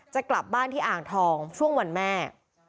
จะกลับบ้านที่อ่างทองช่วงวันแม่